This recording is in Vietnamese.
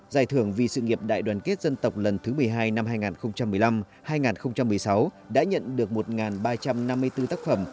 giải thưởng vì sự nghiệp đại đoàn kết dân tộc lần thứ một mươi hai năm hai nghìn một mươi năm hai nghìn một mươi sáu đã nhận được một ba trăm năm mươi bốn tác phẩm